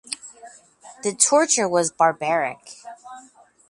The torture was barbaric.